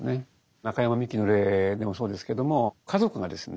中山ミキの例でもそうですけども家族がですね